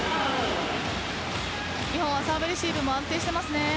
日本はサーブレシーブも安定していますね。